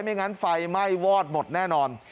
ไม่งั้นไฟให้ไหววอดหมดแน่นอน